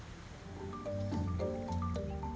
menurut penanggung jawab rumahnya